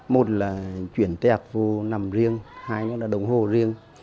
một là chuyển tẹp vô nằm riêng hai là đồng hồ riêng